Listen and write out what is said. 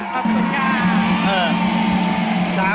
พับตัวข้า